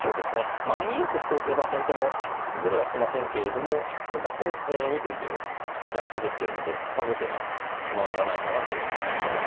まあ２六歩と打てば先手も潰れはしませんけれどもこれだと２筋を逆襲できてるのでまあ後手が不満がないかなと思いますね。